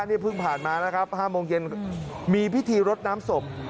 นี่เพิ่งผ่านมานะครับ๕โมงเย็นมีพิธีรดน้ำศพ